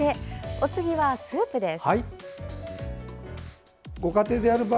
お次は、スープです。